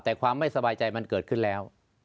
แต่ความไม่สบายใจมันเกิดขึ้นแล้ว